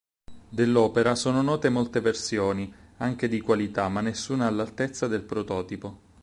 Dell'opera sono note molte versioni, anche di qualità, ma nessuna all'altezza del prototipo.